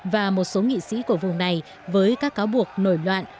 và một số nghị sĩ của vùng này với các cáo buộc nổi loạn